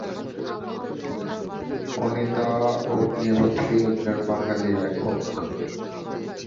অনিতা অগ্নিহোত্রী একজন বাঙালি লেখক।